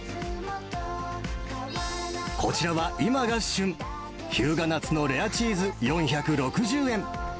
こちらは、今が旬、日向夏のレアチーズ４６０円。